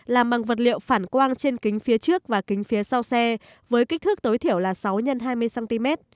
làm bằng vật liệu phản quang trên kính phía trước và kính phía sau xe với kích thước tối thiểu là sáu x hai mươi cm